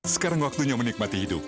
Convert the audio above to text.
sekarang waktunya menikmati hidup